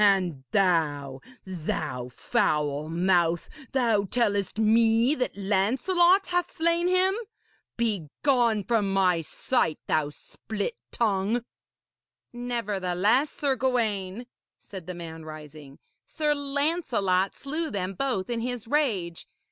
And thou thou foul mouth! thou tellest me that Lancelot hath slain him! Begone from my sight, thou split tongue!' 'Nevertheless, Sir Gawaine,' said the man, rising, 'Sir Lancelot slew them both in his rage.